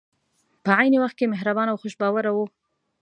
په عین وخت کې مهربان او خوش باوره وو.